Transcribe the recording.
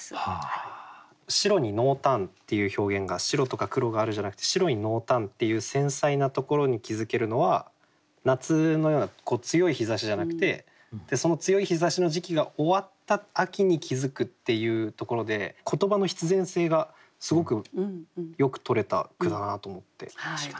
「白に濃淡」っていう表現が白とか黒があるじゃなくて白に濃淡っていう繊細なところに気付けるのは夏のような強い日ざしじゃなくてその強い日ざしの時期が終わった秋に気付くっていうところで言葉の必然性がすごくよくとれた句だなと思って上手だなと思いました。